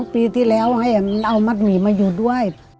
ปีที่แล้วให้มันเอามัดหมี่มาอยู่ด้วย